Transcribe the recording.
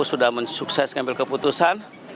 sudah sukses mengambil keputusan